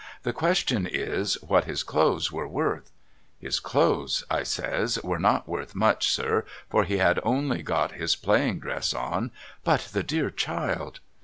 The question is what his clothes were worth.' ' His clothes ' I says ' were not worth much sir for he had only got his playing dress on, but the dear child